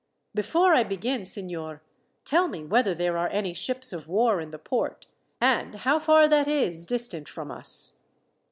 "Before I begin, signor, tell me whether there are any ships of war in the port, and how far that is distant from us?"